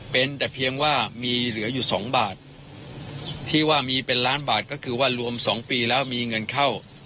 เป็นแต่เพียงว่ามีเหลืออยู่สองบาทที่ว่ามีเป็นล้านบาทก็คือว่ารวม๒ปีแล้วมีเงินเข้า